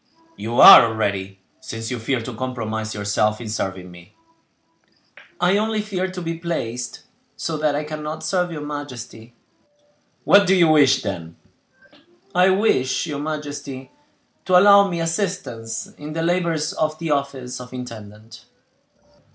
"You are already, since you fear to compromise yourself in serving me." "I only fear to be placed so that I cannot serve your majesty." "What do you wish, then?" "I wish your majesty to allow me assistance in the labors of the office of intendant."